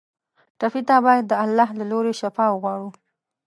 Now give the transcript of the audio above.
ټپي ته باید د الله له لورې شفا وغواړو.